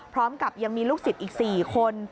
พร้อมกับยังมีลูกศิษย์อีก๔คน